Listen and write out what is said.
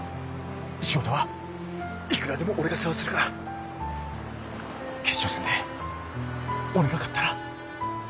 仕事はいくらでも俺が世話するから決勝戦で俺が勝ったら。